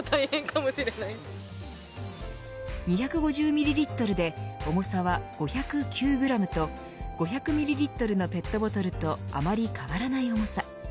２５０ミリリットルで重さ、５０９グラムと５００ミリリットルのペットボトルとあまり変わらない重さ。